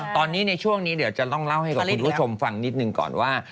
ตอนนี้ในช่วงนี้เดี๋ยวจะต้องเล่าให้กับคุณผู้ชมฟังนิดหนึ่งก่อนว่า